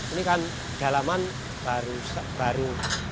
ini kan dalaman baru tiga ratus enam puluh